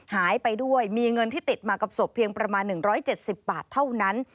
หายไปด้วยมีเงินที่ติดมากับศพเพียงประมาณ๑๗๐บาทเท่านั้น